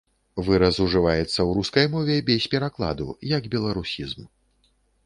Выраз ужываецца ў рускай мове без перакладу, як беларусізм.